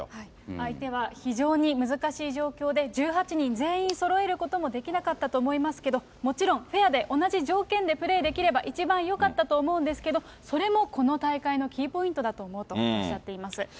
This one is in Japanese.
相手は非常に難しい状況で、１８人全員そろえることもできなかったと思いますけど、もちろんフェアで同じ条件でプレーできれば一番よかったと思うんですけど、それも、この大会のキーポイントだと思うとおっしゃっています。